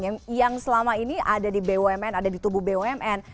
yang selama ini ada di bumn ada di tubuh bumn